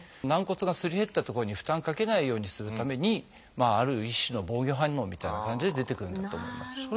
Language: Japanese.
軟骨がすり減った所に負担かけないようにするためにある一種の防御反応みたいな感じで出てくるんだと思います。